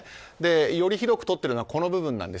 より広くとっているのはこの部分なんです。